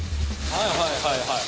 はいはいはいはい。